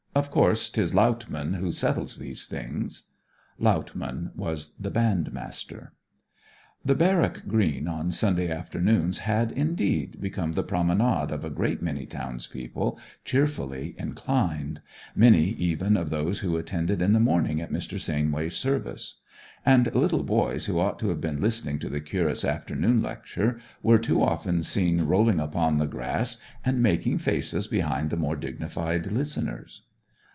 Of course 'tis Lautmann who settles those things.' Lautmann was the bandmaster. The barrack green on Sunday afternoons had, indeed, become the promenade of a great many townspeople cheerfully inclined, many even of those who attended in the morning at Mr. Sainway's service; and little boys who ought to have been listening to the curate's afternoon lecture were too often seen rolling upon the grass and making faces behind the more dignified listeners.